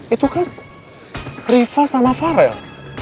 itu kan rifa sama farel